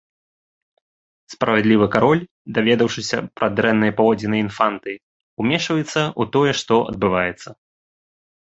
Справядлівы кароль, даведаўшыся пра дрэнныя паводзіны інфанты, умешваецца ў тое, што адбываецца.